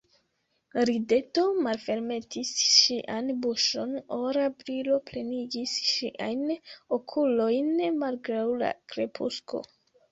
Rideto malfermetis ŝian buŝon, ora brilo plenigis ŝiajn okulojn, malgraŭ la krepusko.